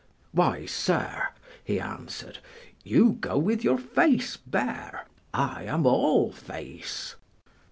"Why, sir," he answered, "you go with your face bare: I am all face."